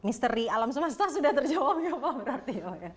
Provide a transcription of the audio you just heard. misteri alam semesta sudah terjawab ya pak berarti ya pak ya